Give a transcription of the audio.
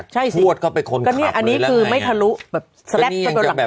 ใช่ซิพวดเขาไปคอนกับนี่อันนี้คือไม่ทะรุแบบจุดวัน